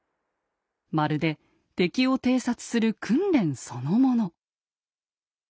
まるで敵を偵察する訓練そのもの。